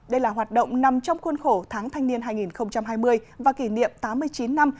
đây là hoạt động nằm trong khuôn khổ tháng thanh niên hai nghìn hai mươi và kỷ niệm tám mươi chín năm